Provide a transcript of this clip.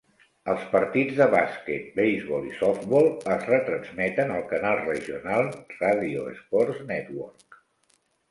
Els partits de bàsquet, beisbol i softbol es retransmeten al canal Regional Radio Sports Network.